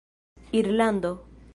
irlando